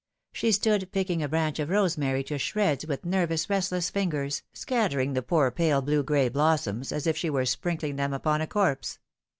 She stood picking a branch of rosemary to shreds with nervous rest less fingers, scattering the poor pale blue gray blossoms as if she were sprinkling them upon a corpse.